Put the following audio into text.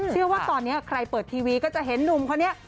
เชื่อว่าตอนนี้ใครเปิดทีวีก็จะเห็นหนุ่มคนนี้